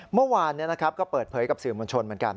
เมื่อวานก็เปิดเผยกับสื่อมวลชนเหมือนกัน